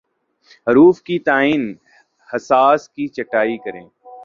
حروف کے تئیں حساس کی چھٹائی کریں